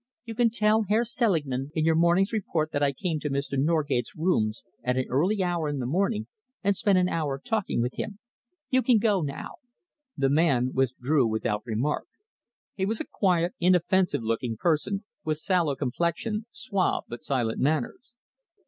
"You can tell Herr Selingman in your morning's report that I came to Mr. Norgate's rooms at an early hour in the morning and spent an hour talking with him. You can go now." The man withdrew without remark. He was a quiet, inoffensive looking person, with sallow complexion, suave but silent manners.